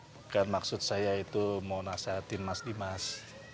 bukan maksud saya itu mau nasihatin mas dimas